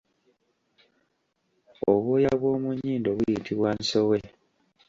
Obwoya bw’omunnyindo buyitibwa Nsowe.